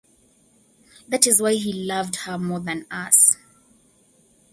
That is why he loved her more than us.